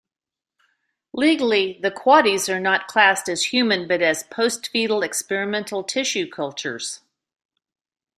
Legally, the Quaddies are not classed as human but as "post-fetal experimental tissue cultures".